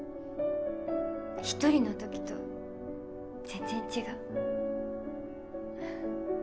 １人の時と全然違う。